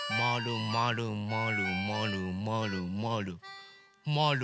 まるまるまるまるまるまるまる。